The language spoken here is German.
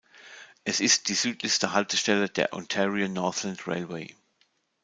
Es ist die südlichste Haltestelle der Ontario Northland Railway.